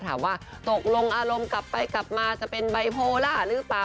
ถามว่าตกลงอารมณ์กลับไปกลับมาจะเป็นไบโพล่าหรือเปล่า